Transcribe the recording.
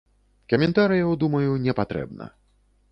Каментарыяў, думаю, не патрэбна.